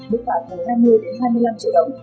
mức phạt từ hai mươi đến hai mươi năm triệu đồng